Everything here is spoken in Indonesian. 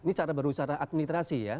ini cara baru secara administrasi ya